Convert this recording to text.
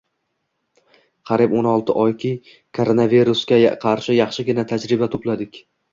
Qariyb o ‘n olti oyki, koronavirusga qarshi yaxshigina tajriba toʻpladik.